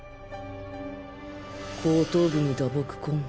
後頭部に打撲痕